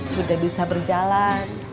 sudah bisa berjalan